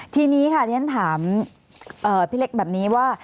ทีนี้ค่ะถ้าอย่างนั้นถามพี่เล็กแบบนี้ว่า